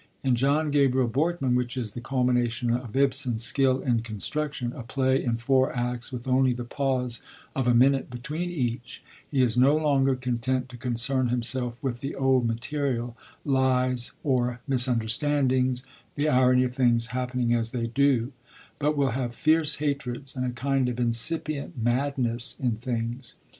In John Gabriel Borkman, which is the culmination of Ibsen's skill in construction, a play in four acts with only the pause of a minute between each, he is no longer content to concern himself with the old material, lies or misunderstandings, the irony of things happening as they do; but will have fierce hatreds, and a kind of incipient madness in things.